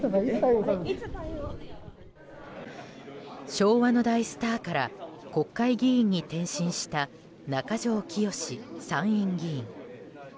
昭和の大スターから国会議員に転身した中条きよし参院議員。